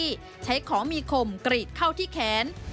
ถูกแท็กซี่ใช้ของมีขมกรีดเข้าที่แขน